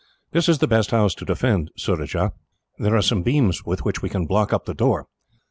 "This is the best house to defend, Surajah. There are some beams with which we can block up the door."